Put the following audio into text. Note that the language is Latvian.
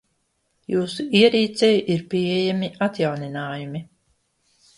Jūsu ierīcei ir pieejami atjauninājumi.